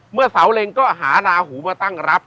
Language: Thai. เมื่อเสาเล็งก็หาลาหูมาตั้งรับ